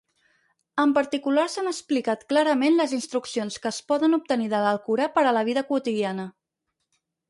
En particular s'han explicat clarament les instruccions que es poden obtenir de l'Alcorà per a la vida quotidiana.